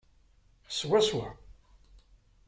Swaswa!